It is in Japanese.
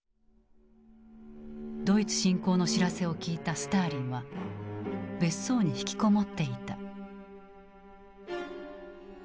ドイツ侵攻の知らせを聞いたスターリンは別荘に引きこもっていた。